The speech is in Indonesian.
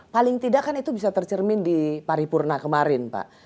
paling tidak kan itu bisa tercermin di paripurna kemarin pak